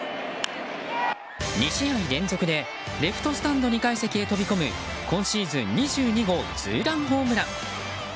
２試合連続でレフトスタンド２階席へ飛び込む今シーズン２２号ツーランホームラン。